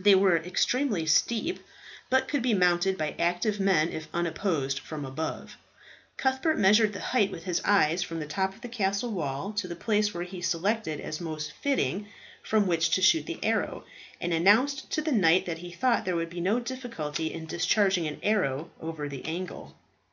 They were extremely steep, but could be mounted by active men if unopposed from above. Cuthbert measured the height with his eye from the top of the castle wall to the place which he selected as most fitting from which to shoot the arrow, and announced to the knight that he thought there would be no difficulty in discharging an arrow over the angle.